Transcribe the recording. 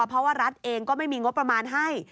เพราะว่ารัฐเองก็ไม่มีงบประมาณให้